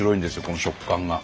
この食感が。